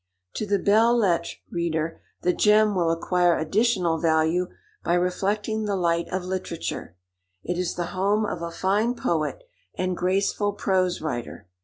To the belles lettres reader the "Gem" will acquire additional value by reflecting the light of literature: it is the home of a fine poet, and graceful prose writer.